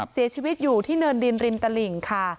เสียชีวิตอยู่ที่เนินดินริมตลิ่งค่ะ